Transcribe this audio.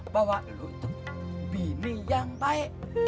bahwa lu itu bini yang baik